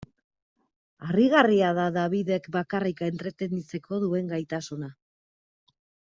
Harrigarria da Dabidek bakarrik entretenitzeko duen gaitasuna.